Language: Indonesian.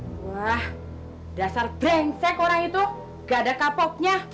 wah dasar brengsek orang itu nggak ada kapoknya